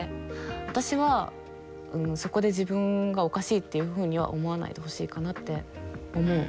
私はそこで自分がおかしいっていうふうには思わないでほしいかなって思う。